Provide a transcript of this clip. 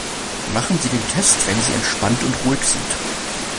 Machen Sie den Test, wenn sie entspannt und ruhig sind.